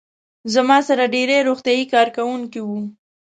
زما سره ډېری روغتیايي کارکوونکي وو.